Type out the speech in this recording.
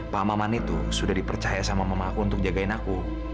pak maman itu sudah dipercaya sama mama aku untuk jagain aku